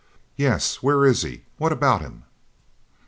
"Yes, where is he? What about him?"